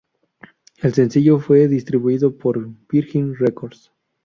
El sencillo fue distribuido por Virgin Records.